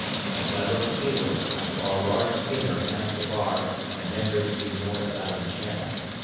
As I looked seaward, I saw a large steamer pass the bar and enter the Morris Island channel.